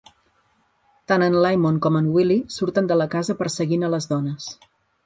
Tant en Lymon com en Willie surten de la casa perseguint a les dones.